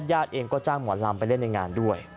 ญาติเองก็จ้างหมอลำไปเล่นในงานด้วย